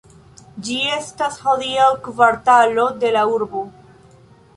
Ĝi estas hodiaŭ kvartalo de la urbo.